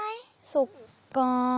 そっか。